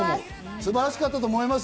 素晴らしかったと思います。